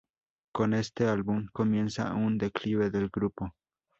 Con este álbum comienza un declive del grupo.